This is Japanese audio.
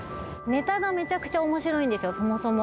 ネタがめちゃくちゃ面白いんですよそもそも。